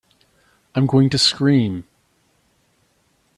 I'm going to scream!